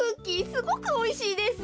すごくおいしいです。